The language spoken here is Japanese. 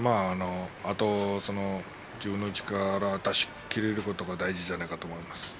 あとは自分の力を出し切れることが大事じゃないかと思います。